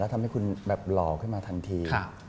ทำให้คุณแบบหล่อขึ้นมาทันที